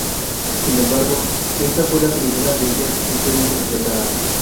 Sin embargo, esta fue la primera de ellas en ser interpretada.